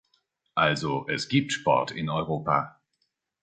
Also, es gibt Sport in Europa.